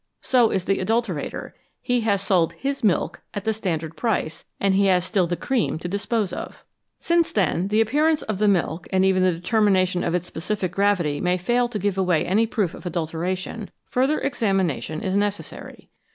So is the adulterator; he has sold his " milk " at the standard price, and he has still the cream to dispose of. 263 THE ADULTERATION OF FOOD Since, then, the appearance of the milk and even the determination of its specific gravity may fail to give any proof of adulteration, further examination is necessary.